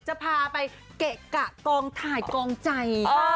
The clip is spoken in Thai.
จะพาไปเกะกะกองถ่ายกองใจ